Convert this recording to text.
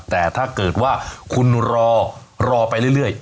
แต่ถ้าเกิดว่าคุณรอรอไปเรื่อย